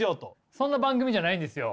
そんな番組じゃないんですよ。